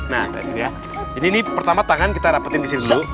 nah ini pertama tangan kita dapetin disini dulu